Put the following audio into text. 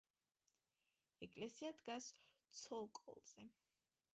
ეკლესია დგას ცოკოლზე.